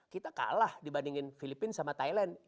kita kalah dibandingin filipina sama thailand